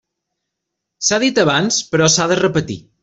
S'ha dit abans però s'ha de repetir.